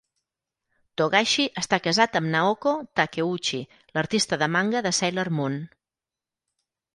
Togashi està casat amb Naoko Takeuchi, l'artista de manga de Sailor Moon.